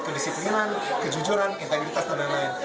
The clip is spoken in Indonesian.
kedisiplinan kejujuran integritas dan lain lain